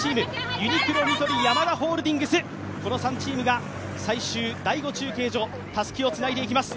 ユニクロ、ニトリ、ヤマダホールディングス、この３チームが最終、第５中継所たすきをつないでいきます。